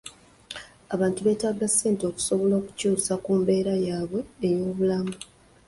Abantu beetaaga ssente okusobola okukyusa ku mbeera yaabwe ey'obulamu.